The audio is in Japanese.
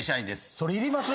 それいります？